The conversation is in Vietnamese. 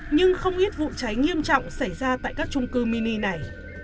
nhưng không ít vụ cháy nghiêm trọng xảy ra tại các trung cư mini này